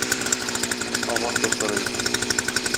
Агасы сорый